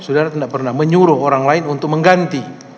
saudara tidak pernah menyuruh orang lain untuk mengganti